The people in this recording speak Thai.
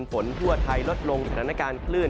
ฝนทั่วไทยลดลงสถานการณ์คลื่น